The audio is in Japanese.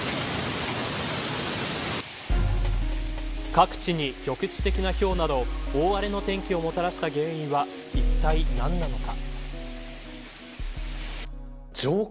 各地に局地的な、ひょうなど大荒れの天気をもたらした原因はいったい何なのか。